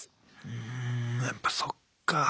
うんやっぱそっか。